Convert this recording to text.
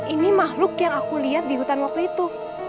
ini makhluk yang aku lihat di hutan waktu itu